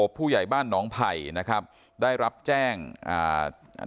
ผู้ใหญ่บ้านหนองไผ่นะครับได้รับแจ้งอ่า